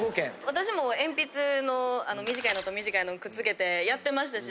私も鉛筆の短いのと短いのをくっつけてやってましたし。